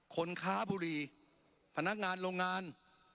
คนค้าบุรีพนักงานโรงงาน